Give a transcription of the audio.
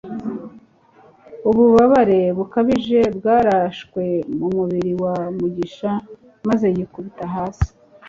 ububabare bukabije bwarashwe mu mubiri wa mugisha maze yikubita hasi